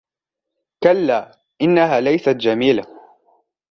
كلا إنها ليست جميلة.